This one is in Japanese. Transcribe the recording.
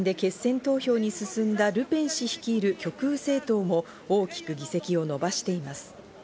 大統領選で決選投票に進んだルペン氏率いる極右政党も大きく議席を伸ばしています。